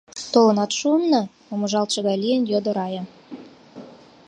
— Толынат шуынна? — помыжалтше гай лийын, йодо Рая.